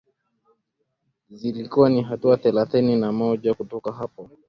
Zilikuwa ni hatua thelathini na moja kutoka hapo